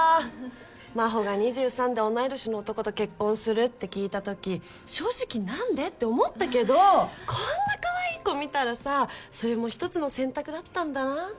真帆が２３で同い年の男と結婚するって聞いたとき正直何で？って思ったけどこんなカワイイ子見たらさそれも一つの選択だったんだなって。